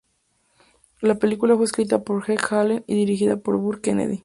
La película fue escrita por Heck Allen y dirigida por Burt Kennedy.